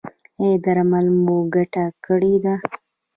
ایا درمل مو ګټه کړې ده؟